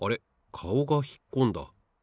かおがひっこんだ。